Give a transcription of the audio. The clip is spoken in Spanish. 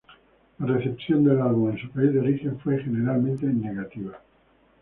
La recepción del álbum en su país de origen fue generalmente negativa.